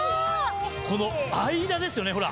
この間ですよねほら。